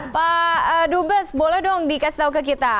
pak dut bes boleh dong dikasih tahu ke kita